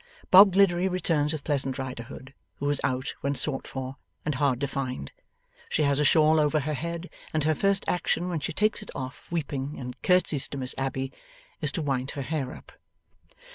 Bob Gliddery returns with Pleasant Riderhood, who was out when sought for, and hard to find. She has a shawl over her head, and her first action, when she takes it off weeping, and curtseys to Miss Abbey, is to wind her hair up.